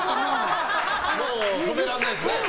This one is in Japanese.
もう止められないですね。